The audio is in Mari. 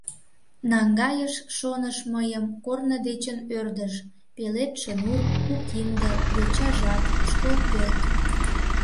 Наҥгайыш шоныш Мыйым корно дечын ӧрдыж — Пеледше нур, у кинде, йоча жап, Школ пӧрт…